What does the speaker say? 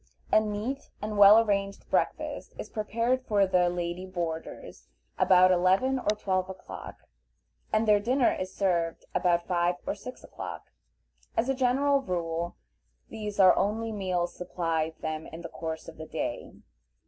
A neat and well arranged breakfast is prepared for the "lady boarders" about eleven or twelve o'clock, and their dinner is served about five or six o'clock. As a general rule these are the only meals supplied them in the course of the day.